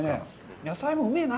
野菜もうめぇな！